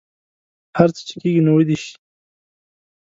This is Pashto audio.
هر څه چې کیږي نو ودې شي